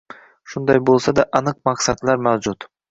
Shunday bo‘lsa-da, aniq maqsadlar mavjud.